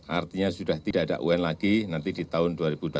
artinya sudah tidak ada un lagi nanti di tahun dua ribu dua puluh